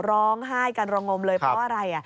ร้องไห้กันระงมเลยเพราะอะไร